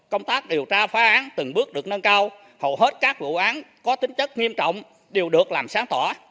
công tác điều tra phá án từng bước được nâng cao hầu hết các vụ án có tính chất nghiêm trọng đều được làm sáng tỏa